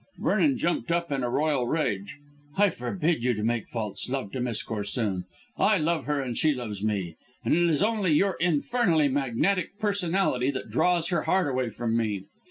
Vernon jumped up in a royal rage. "I forbid you to make false love to Miss Corsoon. I love her and she loves me, and it is only your infernally magnetic personality that draws her heart away from me.